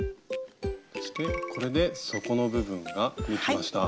そしてこれで底の部分ができました。